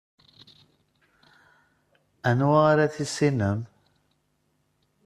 Anwa ara tissinem?